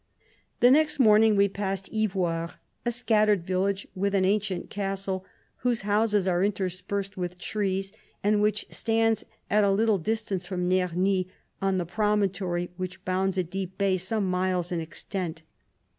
113 The next morning we passed Y voire, a scattered village with an ancient castle, whose houses are interspersed with trees, and which stands at a little dis tance from Nerni, on the promontory which bounds a deep bay, some miles in extent.